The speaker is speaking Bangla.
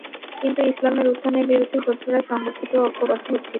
কিন্তু ইসলামের উত্থানের বিরুদ্ধে শত্রুরা সংগঠিত ও ঐক্যবদ্ধ হচ্ছিল।